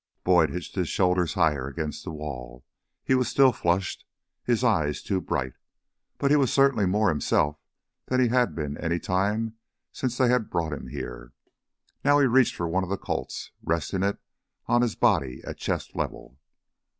Boyd hitched his shoulders higher against the wall. He was still flushed, his eyes too bright, but he was certainly more himself than he had been any time since they had brought him here. Now he reached for one of the Colts, resting it on his body at chest level.